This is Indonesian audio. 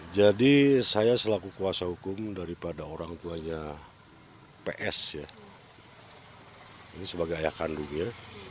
jadi saya selaku kuasa hukum daripada orang tuanya ps ya ini sebagai ayah kandung ya